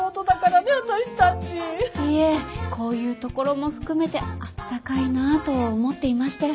いえこういうところも含めてあったかいなぁと思っていまして。